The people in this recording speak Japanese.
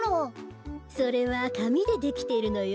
それはかみでできてるのよ。